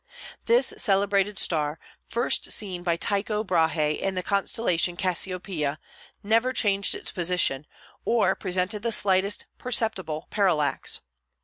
This celebrated star, first seen by Tycho Brahe in the constellation Cassiopeia, never changed its position, or presented the slightest perceptible parallax.